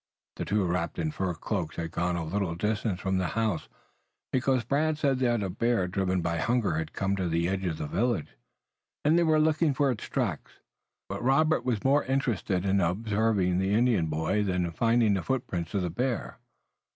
The two wrapped in fur cloaks had gone a little distance from the house, because Brant said that a bear driven by hunger had come to the edge of the village, and they were looking for its tracks. But Robert was more interested in observing the Indian boy than in finding the foot prints of the bear.